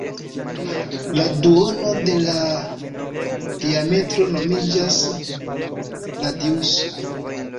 La duono de la diametro nomiĝas radiuso.